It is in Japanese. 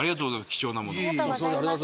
貴重なものを。